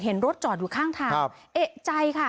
รถจอดอยู่ข้างทางเอกใจค่ะ